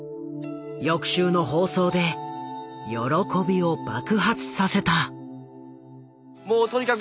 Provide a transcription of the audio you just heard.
翌週の放送で喜びを爆発させた。